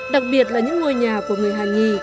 đặc biệt là những ngôi nhà của người hà nhì